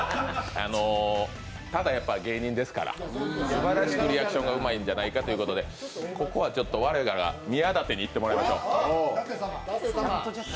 ただ、やっぱり芸人ですからすばらしくリアクションがいいんじゃないかということでここは我らが宮舘に行ってもらいましょう。